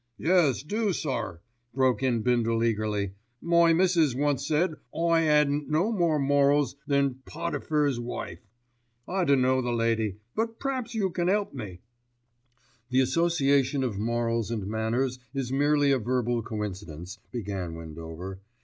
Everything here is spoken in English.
"Yes do, sir," broke in Bindle eagerly, "My missus once said I 'adn't no more morals than Pottyfer's wife, I dunno the lady, but p'raps you can 'elp me." "The association of morals and manners is merely a verbal coincidence," began Windover.